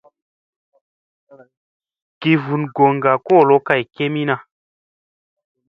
Gi vun goŋga kolo kay kemina.